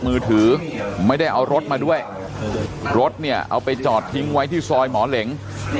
มือถือไม่ได้เอารถมาด้วยรถเนี่ยเอาไปจอดทิ้งไว้ที่ซอยหมอเหล็ง